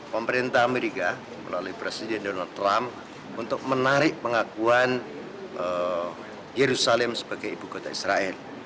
pemerintah amerika melalui presiden donald trump untuk menarik pengakuan yerusalem sebagai ibu kota israel